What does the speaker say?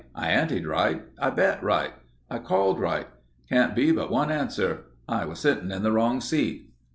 I anted right. I bet right. I called right. Can't be but one answer. I was sitting in the wrong seat."